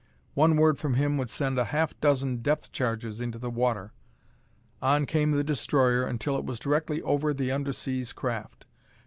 One word from him would send a half dozen depth charges into the water. On came the destroyer until it was directly over the underseas craft. Dr.